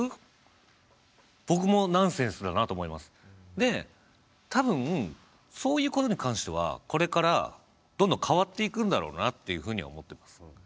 で多分そういうことに関してはこれからどんどん変わっていくんだろうなっていうふうには思ってます。